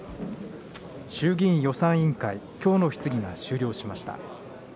衆議院予算委員会、きょうの質疑が終了しました。